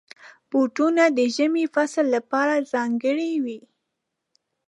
بوټونه د ژمي فصل لپاره ځانګړي وي.